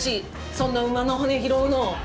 そんな馬の骨拾うの。